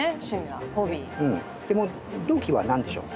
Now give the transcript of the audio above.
でも「どきっ！」は何でしょう？